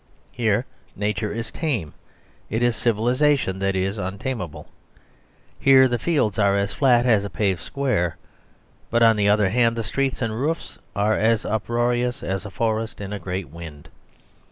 Here Nature is tame; it is civilisation that is untamable. Here the fields are as flat as a paved square; but, on the other hand, the streets and roofs are as uproarious as a forest in a great wind.